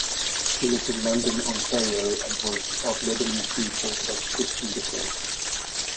He lived in London, Ontario, and was of Lebanese Greek Orthodox Christian descent.